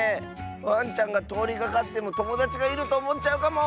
ワンちゃんがとおりがかってもともだちがいるとおもっちゃうかも！